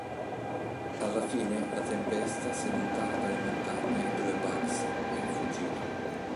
Alla fine, la tempesta si allontana dalle montagne dove Bugs è fuggito.